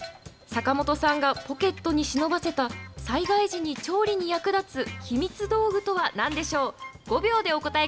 坂本さんがポケットにしのばせた、災害時に調理に役立つひみつ道具とはなんでしょう？